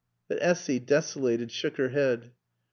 But Essy, desolated, shook her head.